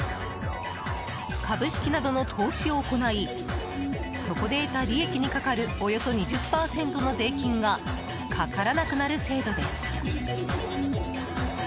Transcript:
株式などの投資を行いそこで得た利益にかかるおよそ２０％の税金がかからなくなる制度です。